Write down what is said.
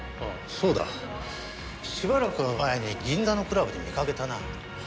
そうだしばらく前に銀座のクラブで見かけたな。